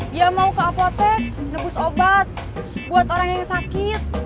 dia mau ke apotek nebus obat buat orang yang sakit